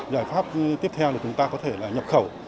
giải pháp tiếp theo là chúng ta có thể là nhập khẩu